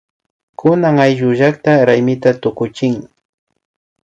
Kunan ayllullakta raymita tukuchin